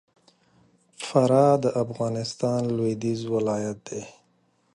فراه د افغانستان لوېدیځ ولایت دی